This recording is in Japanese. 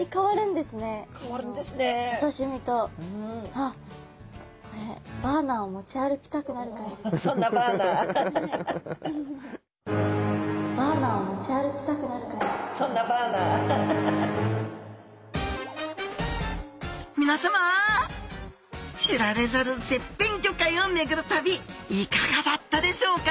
あっこれ皆さま知られざる絶品魚介を巡る旅いかがだったでしょうか？